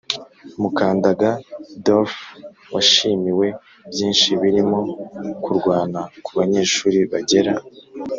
Mukandanga doroth e washimiwe byinshi birimo kurwana ku banyeshuri bagera